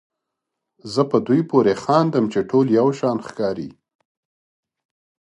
زه په دوی پورې خاندم چې ټول یو شان ښکاري.